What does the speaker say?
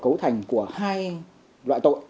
cấu thành của hai loại tội